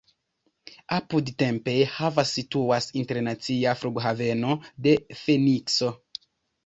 Apud Tempe havas situas internacia flughaveno de Fenikso.